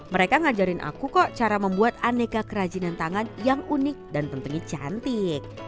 mereka ngajarin aku kok cara membuat aneka kerajinan tangan yang unik dan tentunya cantik